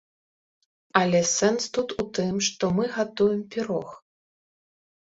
Але сэнс тут у тым, што мы гатуем пірог.